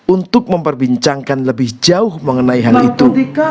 untuk memperbincangkan lebih jauh mengenai hal itu